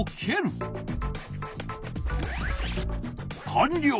かんりょう！